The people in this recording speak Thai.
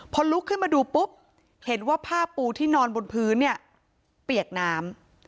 พอลุกขึ้นมาดูปุ๊บเห็นว่าผ้าปูที่นอนบนพื้นเนี่ยเปียกน้ำ